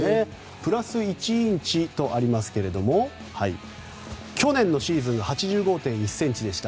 プラス１インチとありますが去年のシーズン８５．１ｃｍでした。